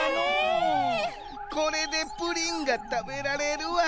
これでプリンがたべられるわ。